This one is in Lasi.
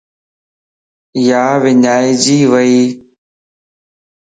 ياوڃائيجي ويئيَ